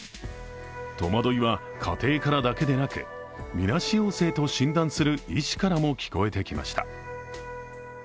戸惑いは家庭からだけでなくみなし陽性と診断する医師からも聞こえてきました。